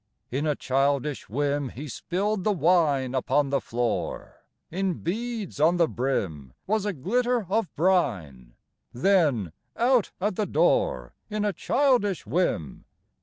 In a childish whim, He spilled the wine Upon the floor, In beads on the brim Was a glitter of brine, Then, out at the door In a childish whim!